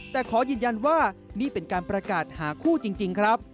แต่ขอยืนยันว่านี่เป็นการประกาศหาคู่จริงครับ